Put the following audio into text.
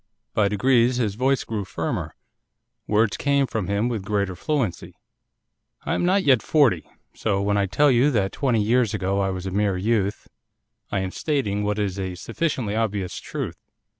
By degrees his voice grew firmer. Words came from him with greater fluency. 'I am not yet forty. So when I tell you that twenty years ago I was a mere youth I am stating what is a sufficiently obvious truth.